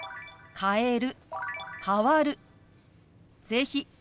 「変える」。